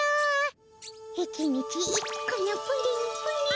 「一日一このプリンプリン」